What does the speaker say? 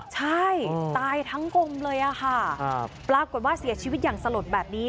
ใช่ตายทั้งกลมเลยค่ะปรากฏว่าเสียชีวิตอย่างสลดแบบนี้